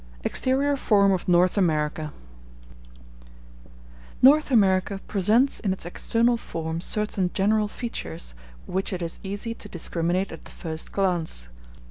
Exterior Form Of North America North America presents in its external form certain general features which it is easy to discriminate at the first glance.